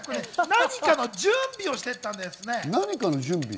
何かの準備をして行ったんです。